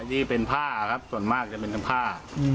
ที่เป็นผ้าครับส่วนมากจะเป็นผ้า